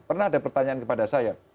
pernah ada pertanyaan kepada saya